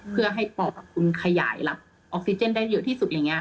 เพื่อให้ปอบคุณขยายออกซิเจนได้เยอะที่สุดอะไรอย่างนี้